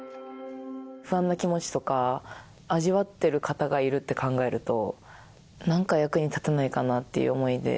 不安な気持ちとか味わっている方がいるって考えると、なんか役に立てないかなという想いで。